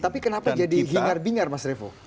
tapi kenapa jadi hingar bingar mas revo